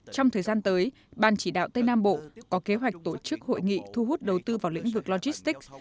trong thời gian tới ban chỉ đạo tây nam bộ có kế hoạch tổ chức hội nghị thu hút đầu tư vào lĩnh vực logistics